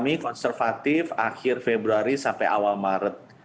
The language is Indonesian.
kami konservatif akhir februari sampai awal maret